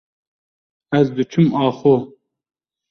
ez diçûm axo.